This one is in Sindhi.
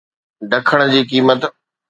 ڍڪڻ جي قيمت